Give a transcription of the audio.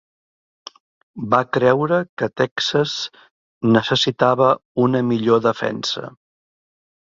Va creure que Texas necessitava una millor defensa.